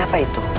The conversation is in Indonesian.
pada saat itu